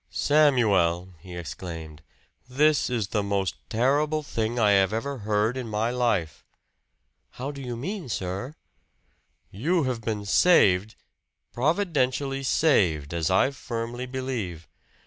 "Samuel!" he exclaimed, "this is the most terrible thing I have ever heard in my life." "How do you mean, sir?" "You have been saved providentially saved, as I firmly believe.